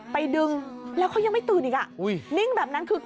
ดึงแล้วเขายังไม่ตื่นอีกอ่ะนิ่งแบบนั้นคือ